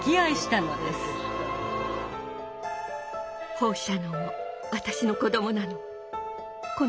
放射能も私の子どもなの。